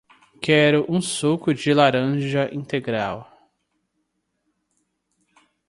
Quero um suco de laranja integral